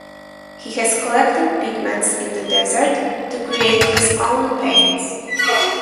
He has collected pigments in the desert to create his own paints.